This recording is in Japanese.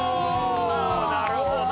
なるほど。